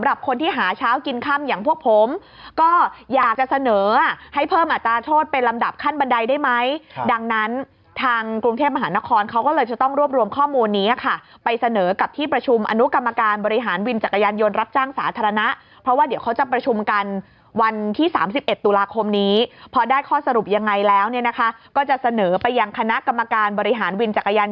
หาเช้ากินค่ำอย่างพวกผมก็อยากจะเสนอให้เพิ่มอัตราโทษเป็นลำดับขั้นบันไดได้ไหมค่ะดังนั้นทางกรุงเทพมหานครเขาก็เลยจะต้องรวบรวมข้อมูลนี้ค่ะไปเสนอกับที่ประชุมอนุกรรมการบริหารวินจักรยานยนต์รับจ้างสาธารณะเพราะว่าเดี๋ยวเขาจะประชุมกันวันที่สามสิบเอ็ดตุลาคมนี้พอได้ข้อสรุปยังไง